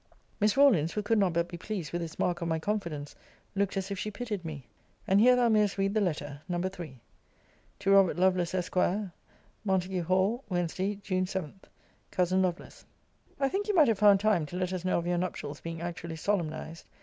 Miss Rawlins, who could not but be pleased with this mark of my confidence, looked as if she pitied me. And here thou mayest read the letter, No. III. TO ROBERT LOVELACE, ESQ. M. HALL, WEDN. JUNE 7. COUSIN LOVELACE, I think you might have found time to let us know of your nuptials being actually solemnized.